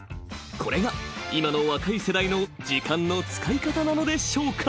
［これが今の若い世代の時間の使い方なのでしょうか］